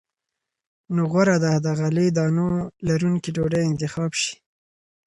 نو غوره ده د غلې- دانو لرونکې ډوډۍ انتخاب شي.